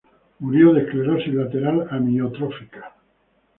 Murió de esclerosis lateral amiotrófica.